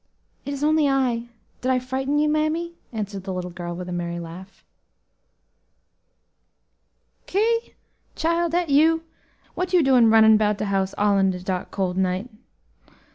"It is only I; did I frighten you, mammy?" answered the little girl with a merry laugh. "Ki? chile, dat you? what you doin' runnin' 'bout de house all in de dark, cold night?"